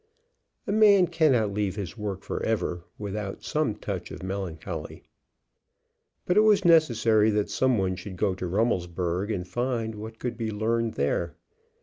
A man cannot leave his work forever without some touch of melancholy. But it was necessary that some one should go to Rummelsburg and find what could be learned there.